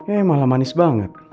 eh malah manis banget